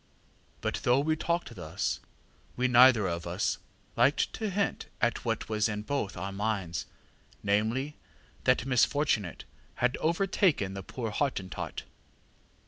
ŌĆÖ ŌĆ£But though we talked thus, we neither of us liked to hint at what was in both our minds, namely, that misfortunate had overtaken the poor Hottentot.